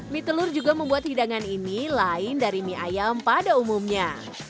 mie telur juga membuat hidangan ini lain dari mie ayam pada umumnya